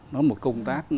nó là một công tác